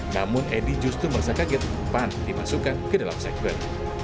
namun edi justru merasa kaget pan dimasukkan ke dalam segber